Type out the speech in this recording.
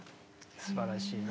すばらしいね。